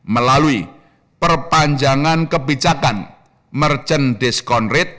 melalui perpanjangan kebijakan merchant discount rate